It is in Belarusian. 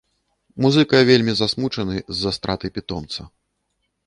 Музыка вельмі засмучаны з-за страты пітомца.